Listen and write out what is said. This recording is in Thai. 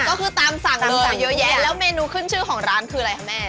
ก็คือตามสั่งตามสั่งเยอะแยะแล้วเมนูขึ้นชื่อของร้านคืออะไรคะแม่